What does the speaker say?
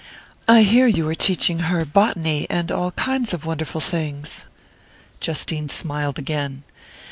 "I hear you are teaching her botany, and all kinds of wonderful things." Justine smiled again.